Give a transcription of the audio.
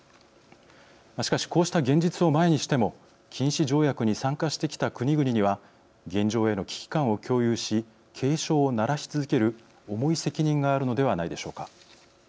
しかし、こうした現実を前にしても禁止条約に参加してきた国々には現状への危機感を共有し警鐘を鳴らし続ける重い責任があるのではないでしょうか。